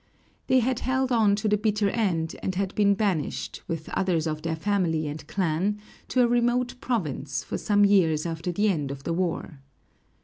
They had held on to the bitter end, and had been banished, with others of their family and clan, to a remote province, for some years after the end of the war.